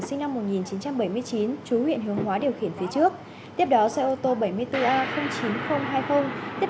sinh năm một nghìn chín trăm bảy mươi chín chú huyện hướng hóa điều khiển phía trước tiếp đó xe ô tô bảy mươi bốn a chín nghìn hai mươi tiếp